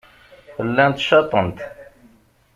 Llant caṭent.